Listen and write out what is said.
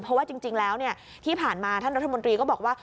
เพราะว่าจริงแล้วที่ผ่านมาท่านรัฐมนตรีก็บอกว่า